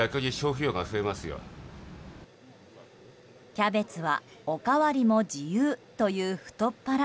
キャベツは、おかわりも自由という太っ腹。